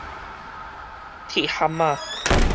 鐵蚶仔